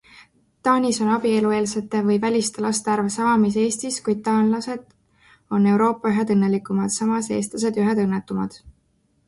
Taanis on abielueelsete või -väliste laste arv sama mis Eestis, kuid taanlased on Euroopa ühed õnnelikumad, samas eestlased ühed õnnetumad.